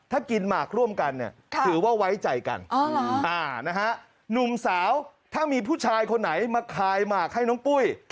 ถ้ากินหมากร่วมกันเนี่ยถือว่าไว้ใจกันหนุ่มสาวถ้ามีผู้ชายคนไหนมาคายหมากให้น้องปุ้ย